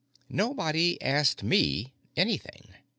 Nobody asked me anything.